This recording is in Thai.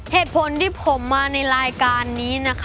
เหตุผลที่ผมมาในรายการนี้นะคะ